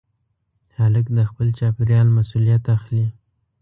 هلک د خپل چاپېریال مسؤلیت اخلي.